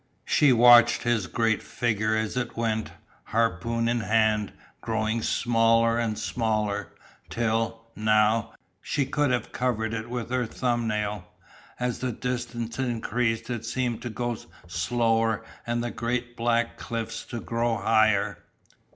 She watched his great figure as it went, harpoon in hand, growing smaller and smaller, till, now, she could have covered it with her thumb nail. As the distance increased it seemed to go slower and the great black cliffs to grow higher.